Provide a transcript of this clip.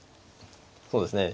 そうですね。